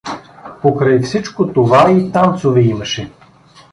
Покрай всичко това и танцове имаше.